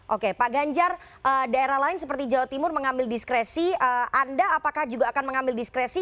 oke pak ganjar daerah lain seperti jawa timur mengambil diskresi anda apakah juga akan mengambil diskresi